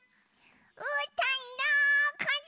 うーたんどこだ？